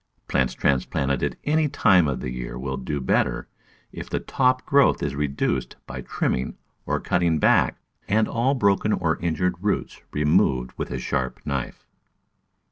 Plants transplanted at any time of year will do better if the top growth is reduced by trimming or cutting back, and all broken or injured roots removed with a sharp knife.